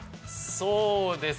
そうですね。